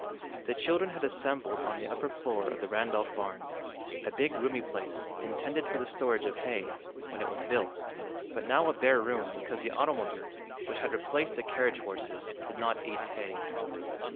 The children had assembled on the upper floor of the Randolph barn, a big, roomy place intended for the storage of hay, when it was built, but now a bare room because the automobile, which had replaced the carriage horses, did not eat hay.